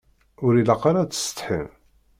Ur ilaq ara ad tessetḥim.